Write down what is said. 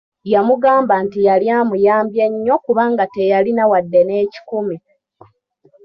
Yamugamba nti yali amuyambye nnyo kubanga teyalina wadde n'ekikumi.